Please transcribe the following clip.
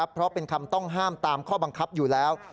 เพราะเป็นคำต้องห้ามตามข้อบังคับอยู่แล้ว